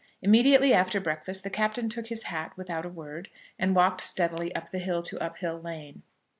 Immediately after breakfast the Captain took his hat without a word, and walked steadily up the hill to Uphill Lane.